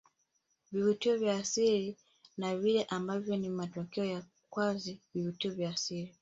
Vivutio vya asili na vile ambavyo ni matokeo ya kazi vivutio vya asili